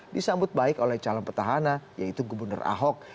disambut baik oleh calon petahana yaitu gubernur ahok